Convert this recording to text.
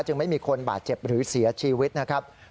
ไม่มีคนบาดเจ็บหรือเสียชีวิตนะครับ